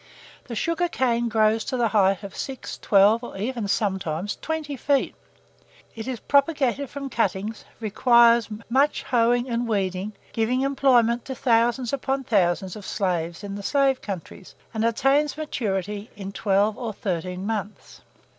The sugarcane grows to the height of six, twelve, or even sometimes twenty feet. It is propagated from cuttings, requires much hoeing and weeding, giving employment to thousands upon thousands of slaves in the slave countries, and attains maturity in twelve or thirteen months.